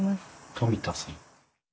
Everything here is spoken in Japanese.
冨田さん？